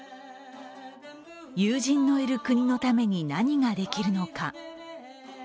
友人のいる国のために何ができるのか。